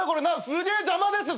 すげえ邪魔です。